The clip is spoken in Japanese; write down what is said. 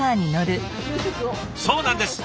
そうなんです！